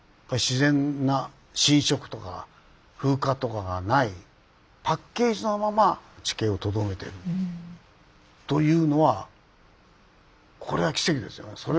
自然な侵食とか風化とかがないパッケージのまま地形をとどめてるというのはこれは奇跡ですよね。